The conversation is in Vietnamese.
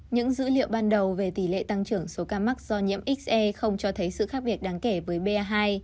những dữ liệu ban đầu về tỷ lệ tăng trưởng số ca mắc do nhiễm xê không cho thấy sự khác biệt đáng kể với ba hai